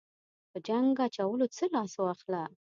په جنګ اچولو څخه لاس واخله.